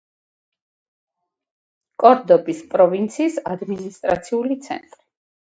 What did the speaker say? კორდობის პროვინციის ადმინისტრაციული ცენტრი.